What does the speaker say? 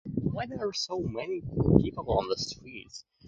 Why there are so many people on the streets?